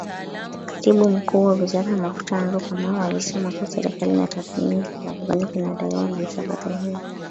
Katibu Mkuu wa Wizara ya Mafuta Andrew Kamau alisema kuwa serikali inatathmini kiwango gani kinadaiwa na mchakato huo